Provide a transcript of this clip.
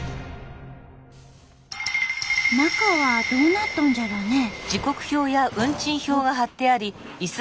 中はどうなっとんじゃろね？